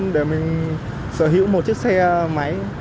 để mình sở hữu một chiếc xe máy